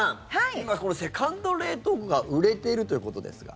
今、このセカンド冷凍庫が売れているということですが。